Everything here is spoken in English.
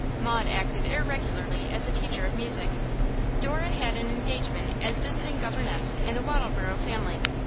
Maud acted irregularly as a teacher of music; Dora had an engagement as visiting governess in a Wattleborough family.